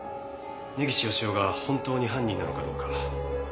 根岸義雄が本当に犯人なのかどうか。